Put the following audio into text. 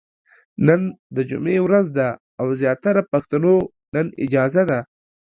نن د جمعې ورځ ده او زياتره پښتنو نن اجازه ده ،